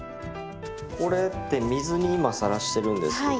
これって水に今さらしてるんですけど。